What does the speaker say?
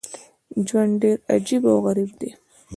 ژوند ډېر عجیب او غریب دی.